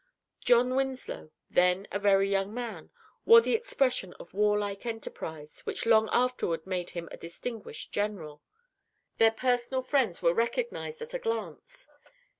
John Winslow, then a very young man, wore the expression of warlike enterprise which long afterward made him a distinguished general. Their personal friends were recognized at a glance.